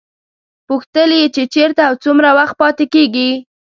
پوښتل یې چې چېرته او څومره وخت پاتې کېږي.